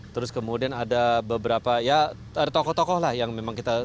terus kemudian ada beberapa ya ada tokoh tokoh lah yang memang kita